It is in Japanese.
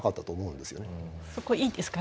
そこいいですか？